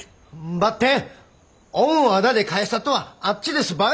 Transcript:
ばってん恩を仇で返したとはあっちですばい。